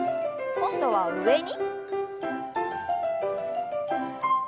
今度は上に。